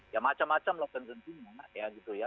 ya macam macam loh kan tentunya